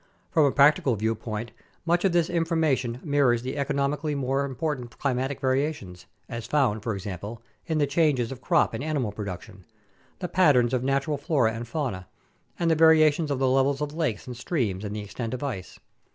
From a practical viewpoint, much of this information mirrors the economically more important climatic variations, as found, for example, in the changes of crop and animal production, the patterns of natural flora and fauna, and the variations of the levels of lakes and streams and the extent of ice.